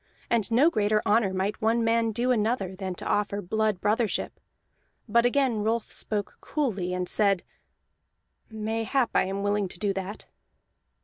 And no greater honor might one man do another than to offer blood brothership. But again Rolf spoke coolly, and said: "Mayhap I am willing to do that."